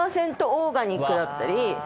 オーガニックだったり。